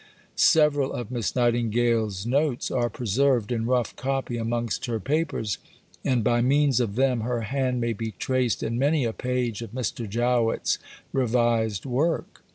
Several of Miss Nightingale's notes are preserved, in rough copy, amongst her Papers, and by means of them her hand may be traced in many a page of Mr. Jowett's revised work.